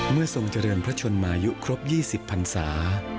ทรงเจริญพระชนมายุครบ๒๐พันศา